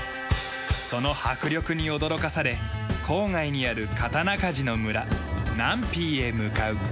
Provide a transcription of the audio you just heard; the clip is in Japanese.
その迫力に驚かされ郊外にある刀鍛冶の村ナンピーへ向かう。